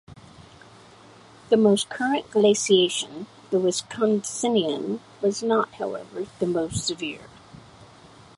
The most current glaciation, the Wisconsinian was not, however, the most severe.